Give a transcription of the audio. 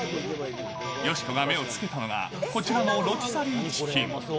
よしこが目をつけたのが、こちらのロティサリーチキン。